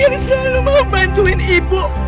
yang selalu mau bantuin ibu